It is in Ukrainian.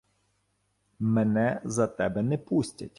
— Мене за тебе не пустять.